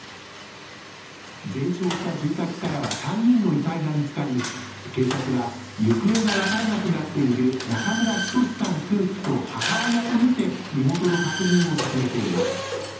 全焼した住宅からは３人の遺体が見つかり、警察は、行方が分からなくなっている中村均さん夫婦と母親とみて身元の確認を進めています。